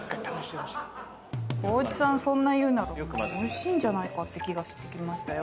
光一さんそんな言うならおいしいんじゃないかって気がしてきましたよ。